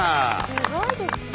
すごいですね。